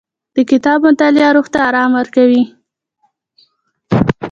د کتاب مطالعه روح ته ارام ورکوي.